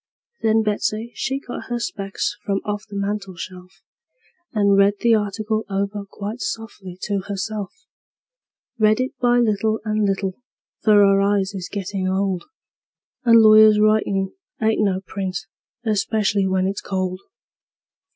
Then Betsey she got her specs from off the mantel shelf, And read the article over quite softly to herself; Read it by little and little, for her eyes is gettin' old, And lawyers' writin' ain't no print, especially when it's cold.